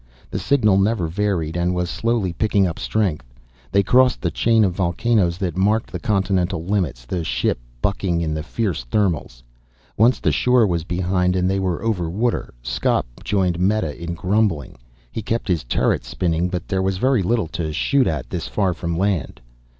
The signal never varied and was slowly picking up strength. They crossed the chain of volcanoes that marked the continental limits, the ship bucking in the fierce thermals. Once the shore was behind and they were over water, Skop joined Meta in grumbling. He kept his turret spinning, but there was very little to shoot at this far from land.